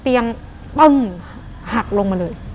เตียงปึ้งหักลงมาเลย